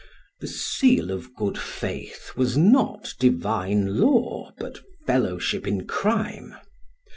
The seal of good faith was not divine law, but fellowship in crime.